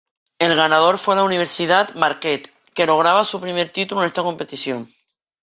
El ganador fue la Universidad Marquette, que lograba su primer título en esta competición.